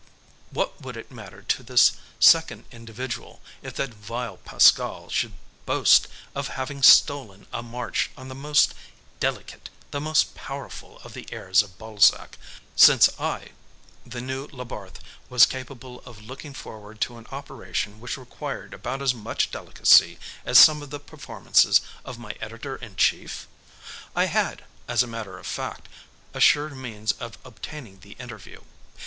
What would it matter to this second individual if that vile Pascal should boast of having stolen a march on the most delicate, the most powerful of the heirs of Balzac, since I, the new Labarthe, was capable of looking forward to an operation which required about as much delicacy as some of the performances of my editor in chief? I had, as a matter of fact, a sure means of obtaining the interview.